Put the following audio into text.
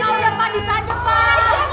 udah pak disayang pak